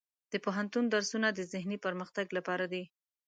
د پوهنتون درسونه د ذهني پرمختګ لپاره دي.